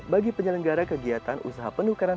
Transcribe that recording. bagi penyelenggara kegiatan usaha penukaran